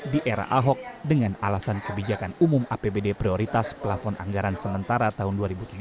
di era ahok dengan alasan kebijakan umum apbd prioritas plafon anggaran sementara tahun dua ribu tujuh belas